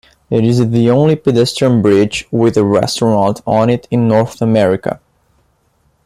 It is the only pedestrian bridge with a restaurant on it in North America.